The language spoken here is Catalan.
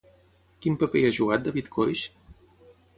Quin paper hi ha jugat David Coix?